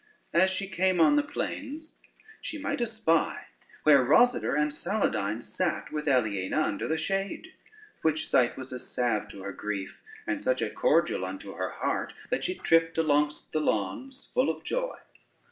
As she came on the plains she might espy where Rosader and Saladyne sate with Aliena under the shade; which sight was a salve to her grief, and such a cordial unto her heart, that she tripped alongst the lawns full of joy.